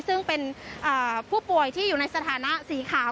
ซึ่งเป็นผู้ป่วยที่อยู่ในสถานะสีขาว